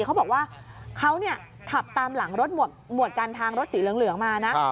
เขาบอกว่าเขาขับตามหลังรถหมวดการทางรถสีเหลืองมานะ